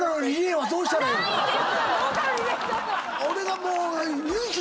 俺がもう。